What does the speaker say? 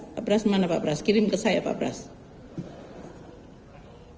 pak prast mana pak prast kirim ke saya pak prast